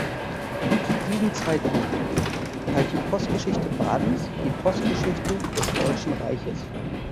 Ab diesem Zeitpunkt teilt die Postgeschichte Badens die Postgeschichte des Deutschen Reiches.